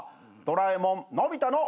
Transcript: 『ドラえもんのび太の』